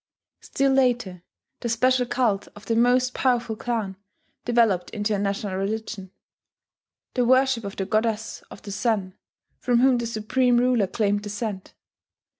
Still later, the special cult of the most powerful clan developed into a national religion, the worship of the goddess of the sun, from whom the supreme ruler claimed descent.